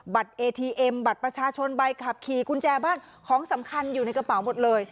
เอทีเอ็มบัตรประชาชนใบขับขี่กุญแจบ้านของสำคัญอยู่ในกระเป๋าหมดเลย